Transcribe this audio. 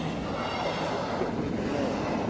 ちょっと来るともう。